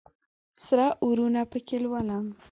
سره اورونه پکښې لولم